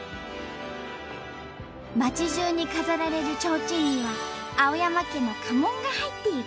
町じゅうに飾られる提灯には青山家の家紋が入っている。